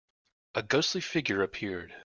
A ghostly figure appeared.